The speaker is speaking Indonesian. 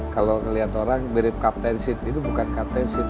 kalau ngeliat orang mirip captain seat itu bukan captain seat